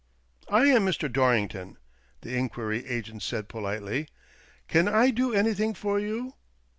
" I am Mr. Dorrington," the inquiry agent said politely. " Can I do anything for you